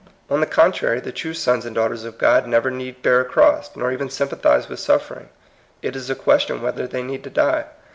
On the contrary, the true sons and daughters of God need never bear a cross, nor even sympathize with suffering. It is a question whether they need to die.